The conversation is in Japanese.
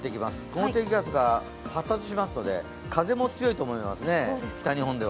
この低気圧が発達しますので北日本では風も強いと思います。